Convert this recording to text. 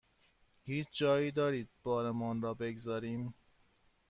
هیچ جایی دارید بارمان را بگذاریم؟